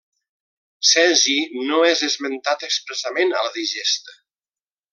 Cesi no és esmentat expressament a la Digesta.